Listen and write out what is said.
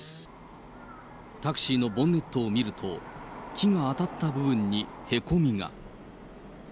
タクシーのボンネットを見ると、木が当たった部分にへこみが。